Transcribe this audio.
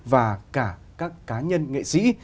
và cả các cá nhân nghệ sĩ